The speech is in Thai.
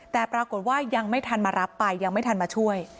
แต่ปรากฏว่ายังไม่ทันมารับไปยังไม่ทันมาช่วย